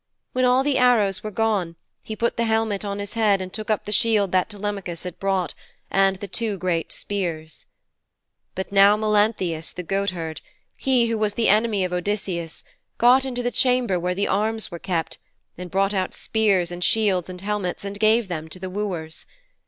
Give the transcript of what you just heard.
When all the arrows were gone, he put the helmet on his head and took up the shield that Telemachus had brought, and the two great spears. But now Melanthius, the goatherd he who was the enemy of Odysseus, got into the chamber where the arms were kept, and brought out spears and shields and helmets, and gave them to the wooers.